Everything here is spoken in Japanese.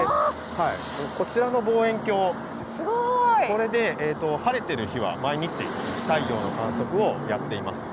これで晴れてる日は毎日太陽の観測をやっています。